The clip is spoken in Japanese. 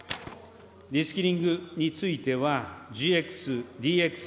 リスキリングについては、ＧＸ、ＤＸ、